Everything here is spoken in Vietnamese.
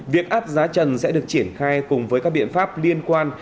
việc áp giá trần sẽ được triển khai cùng với các biện pháp liên quan